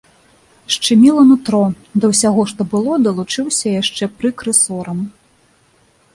Шчымела нутро, да ўсяго, што было, далучыўся яшчэ прыкры сорам.